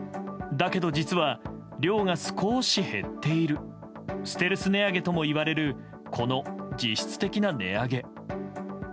だけど、実は量が少し減っているステルス値上げともいわれるこの実質値上げ。